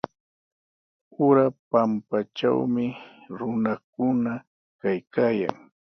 Ura pampatrawmi runakuna kaykaayan.